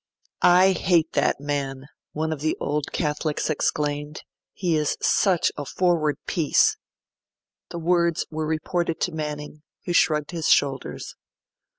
'I hate that man,' one of the Old Catholics exclaimed, 'he is such a forward piece.' The words were reported to Manning, who shrugged his shoulders.